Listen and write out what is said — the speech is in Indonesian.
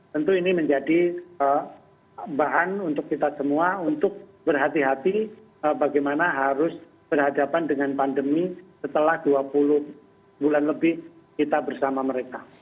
tentu ini menjadi bahan untuk kita semua untuk berhati hati bagaimana harus berhadapan dengan pandemi setelah dua puluh bulan lebih kita bersama mereka